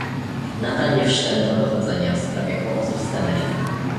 Nadal nie wszczęto dochodzenia w sprawie chłopców z Temerina